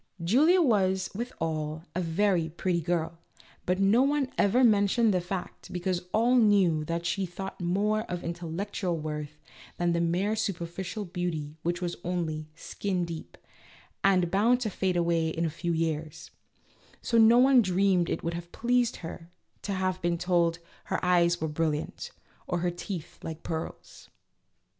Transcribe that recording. Julia was, with all, a very pretty girl, but no one ever mentioned the fact because all knew that she thought more of intellectual worth than of mere su perficial beauty, which was only " skin deep, " and bound to fade away in a few years ; so no one dreamed it would have pleased her to have been told her " eyes were brilliant " or her " teeth like pearls.